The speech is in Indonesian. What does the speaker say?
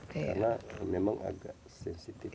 karena memang agak sensitif